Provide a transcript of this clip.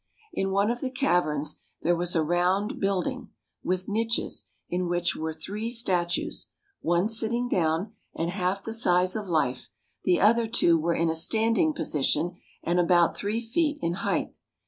In one of the caverns there was a round building, with niches, in which were three statues, one sitting down, and half the size of life; the other two were in a standing position, and about three feet in height.